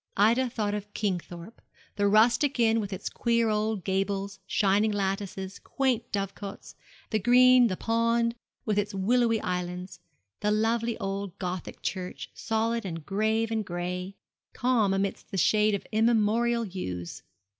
Ida thought of Kingthorpe, the rustic inn with its queer old gables, shining lattices, quaint dovecots, the green, the pond, with its willowy island, the lovely old Gothic church solid, and grave, and gray calm amidst the shade of immemorial yews.